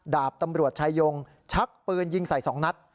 ดาบตำรวจชายงชักปืนยิงใส่๒นัด